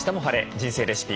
人生レシピ」